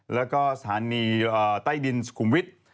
แล้วก็สถานีใต้ดินสุขุมวิทย์